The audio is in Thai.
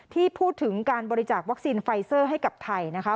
ที่พูดถึงการบริจาควัคซีนไฟเซอร์ให้กับไทยนะคะ